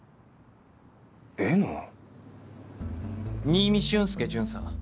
新見俊輔巡査。